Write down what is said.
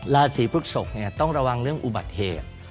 ราศีพฤกษกต้องระวังเรื่องอุบัติเหตุ